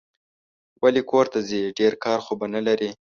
ولي کورته ځې ؟ ډېر کار خو به نه لرې